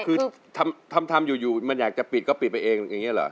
คือทำอยู่มันอยากจะปิดก็ปิดไปเองอย่างนี้เหรอ